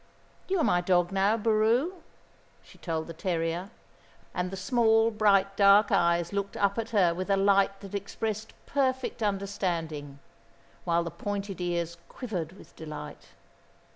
"You are my dog now, Boroo," she told the terrier, and the small, bright, dark eyes looked up at her with a light that expressed perfect understanding, while the pointed ears quivered with delight.